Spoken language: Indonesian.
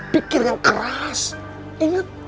pikir yang keras ingat